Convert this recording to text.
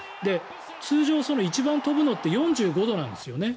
通常、一番飛ぶのって４５度なんですよね。